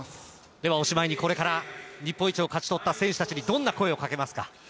では、おしまいにこれから日本一を勝ち取った選手たちにどんな声をかけますか。